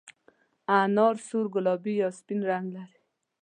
انار سور، ګلابي یا سپین رنګ لري.